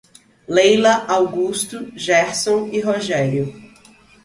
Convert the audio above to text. Leila, Augusto, Gerson e Rogério